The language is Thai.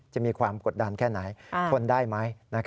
จะมีความกดดันแค่ไหนทนได้ไหม